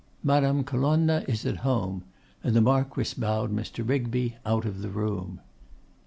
Madame Colonna is at home;' and the Marquess bowed Mr. Rigby out of the room.